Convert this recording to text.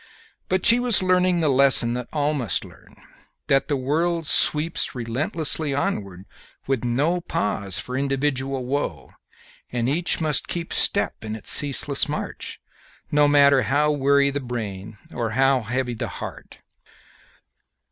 But she was learning the lesson that all must learn; that the world sweeps relentlessly onward with no pause for individual woe, and each must keep step in its ceaseless march, no matter how weary the brain or how heavy the heart.